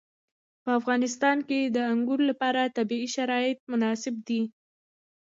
په افغانستان کې د انګور لپاره طبیعي شرایط مناسب دي.